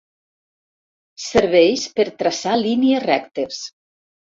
Serveix per traçar línies rectes.